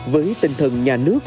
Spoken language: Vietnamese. với tinh thần nhà nước